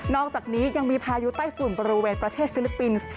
อกจากนี้ยังมีพายุใต้ฝุ่นบริเวณประเทศฟิลิปปินส์